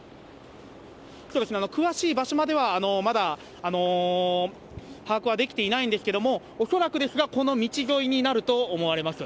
そうですね、詳しい場所まではまだ把握はできていないんですけれども、恐らくですが、この道沿いになると思われます。